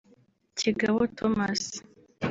Kigabo Thomas